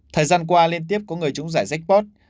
thời gian qua liên tiếp có người trúng giải jackpot